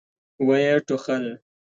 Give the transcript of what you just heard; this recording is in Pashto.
ويې ټوخل.